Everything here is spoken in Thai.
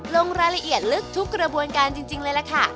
ลงรายละเอียดลึกทุกกระบวนการจริงเลยล่ะค่ะ